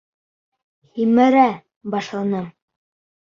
Һимерә башланым!